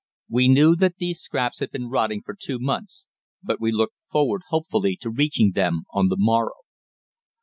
We knew that these scraps had been rotting for two months, but we looked forward hopefully to reaching them on the morrow.